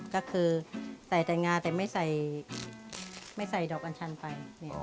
ก็คือใส่แต่งาแต่ไม่ใส่ดอกอัญชันไป